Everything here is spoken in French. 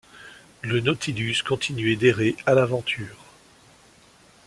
Le Nautilus continuait d’errer à l’aventure.